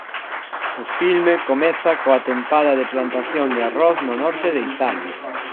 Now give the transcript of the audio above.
O filme comeza coa tempada de plantación de arroz no norte de Italia.